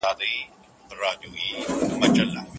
تاسو تېر کال په لويه پروژه کار کاوه.